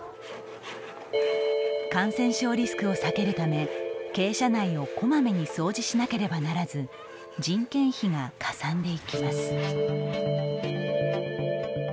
感染症リスクを避けるため鶏舎内をこまめに掃除しなければならず人件費がかさんでいきます。